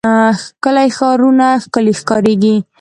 ښکلي ښارونه ښکلي ښکاريږي.